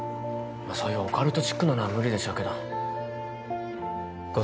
まあそういうオカルトチックなのは無理でしょうけど後